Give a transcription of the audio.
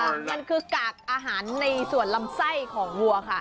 มันคือกากอาหารในส่วนลำไส้ของวัวค่ะ